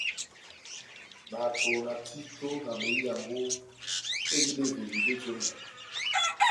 Bato, na títo, na behiyango béndini beveli béji ó emɛnɔ.